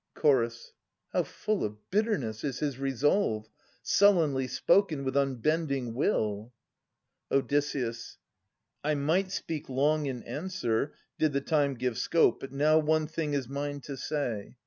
Ch. How full of bitterness is his resolve. Sullenly spoken with unbending will ! Od. I might speak long in answer, did the time Give scope, but now one thing is mine to say.